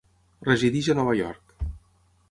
Resideix a Nova York.